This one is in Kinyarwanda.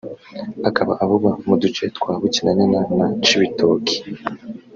akaba avugwa mu duce twa Bukinanyana na Cibitoki